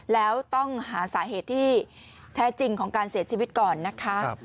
แล้วต้องหาสาเหตุที่แท้จริงของการเสียชีวิตก่อนนะคะ